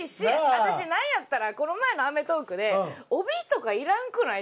私なんやったらこの前の『アメトーーク』で「帯とかいらんくない？」